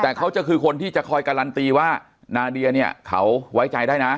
แต่เขาจะคือคนที่จะคอยการันตีว่านาเดียเนี่ยเขาไว้ใจได้นะ